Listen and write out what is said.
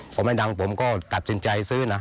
พอไม่ดังผมก็ตัดสินใจซื้อนะ